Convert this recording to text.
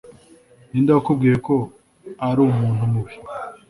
Ninde wakubwiye ko ari umuntu mubi?